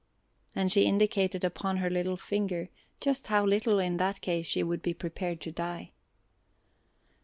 And she indicated upon her little finger just how little in that case she would be prepared to die.